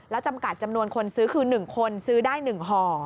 แล้วจำกัดจำนวนคนซื้อคือ๑คนซื้อได้๑ห่อ